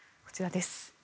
こちらです。